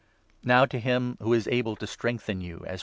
A Now to him who is able to strengthen you, as Doxoiogy.